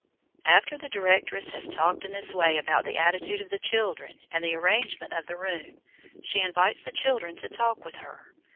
After the directress has talked in this way about the attitude of the children and the arrangement of the room, she invites the children to talk with her.